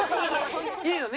いいのね？